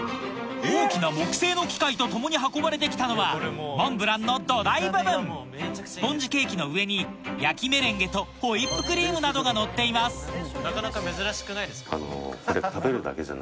大きな木製の機械と共に運ばれて来たのはモンブランの土台部分スポンジケーキの上に焼きメレンゲとホイップクリームなどがのっていますえ！